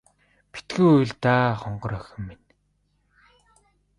Битгий уйл даа хонгорхон охин минь.